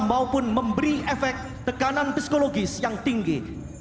maupun memberi efek tekanan psikologis yang tinggi